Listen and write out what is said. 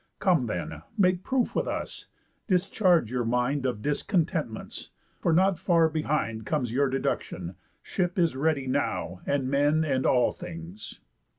Come then, make proof with us, discharge your mind Of discontentments; for not far behind Comes your deduction, ship is ready now, And men, and all things."